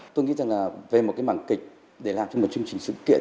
tôi nghĩ rằng là về một cái mảng kịch để làm cho một chương trình sự kiện